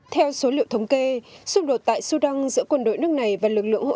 theo số liệu thống kê xung đột tại sudan giữa quân đội nước này và lực lượng hỗ